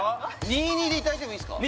２２でいただいてもいいですか？